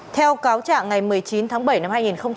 theo cáo trạng ngày một mươi chín tháng bảy năm hai nghìn hai mươi